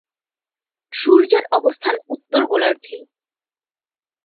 সূর্যের অবস্থান উত্তর গোলার্ধে।